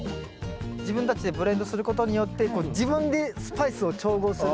自分たちでブレンドすることによって自分でスパイスを調合する楽しさとかね。